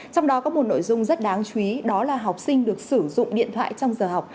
trong đó có một nội dung rất đáng chú ý đó là học sinh được sử dụng điện thoại trong giờ học